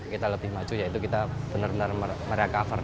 kita lebih maju yaitu kita benar benar merecover